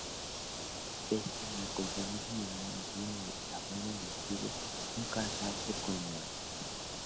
Pese al compromiso moral, el día de la boda decide no casarse con Iván.